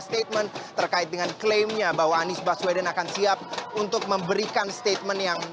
dan memberikan beberapa pembahasan terkait dengan klaimnya bahwa anies baswedan akan siap untuk memberikan pembahasan yang